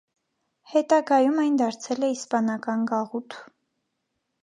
Հետագայում այն դարձել է իսպանական գաղութ։